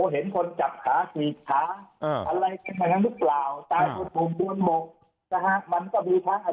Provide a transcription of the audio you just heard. เห็นคนจับขากรีดขาครับ